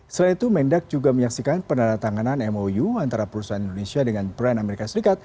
selain itu mendak juga menyaksikan peneratanganan mou antara perusahaan indonesia dengan brand as